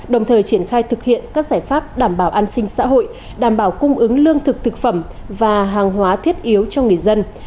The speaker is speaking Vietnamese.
đồng thời triển khai thực hiện các giải pháp đảm bảo an sinh xã hội đảm bảo cung ứng lương thực thực phẩm và hàng hóa thiết yếu cho người dân